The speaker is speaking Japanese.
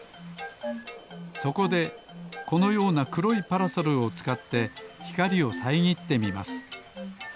そこでこのようなくろいパラソルをつかってひかりをさえぎってみます。